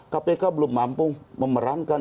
kpk belum mampu memerankan